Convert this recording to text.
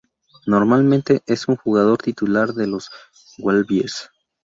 Normalmente es un jugador titular de los Wallabies.